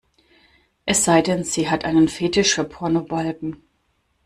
Es sei denn, sie hat einen Fetisch für Pornobalken.